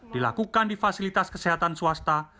dilakukan di fasilitas kesehatan swasta